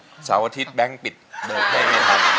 ไม่ใช่เศร้าอาทิตย์แบงค์ปิดเนี่ย